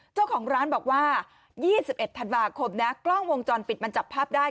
เจ้าของร้านบอกว่า๒๑ธันวาคมนะกล้องวงจรปิดมันจับภาพได้